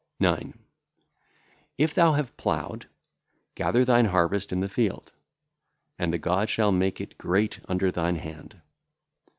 9. If thou have ploughed, gather thine harvest in the field, and the God shall make it great under thine hand.